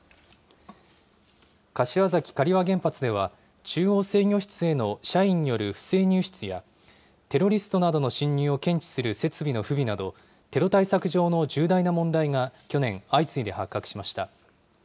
柏崎刈羽原発では、中央制御室への社員による不正入室や、テロリストなどの侵入を検知する設備の不備など、テロ対策上の重大な問題が、きょねん相次いで発覚しました。